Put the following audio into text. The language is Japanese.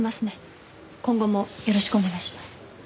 今後もよろしくお願いします。